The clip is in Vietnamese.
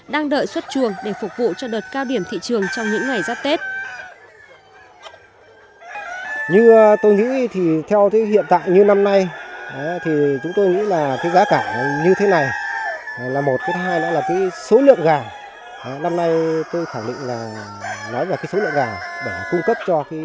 đang đợi xuất trường để phục vụ cho đợt cao điểm thị trường trong những ngày giáp tết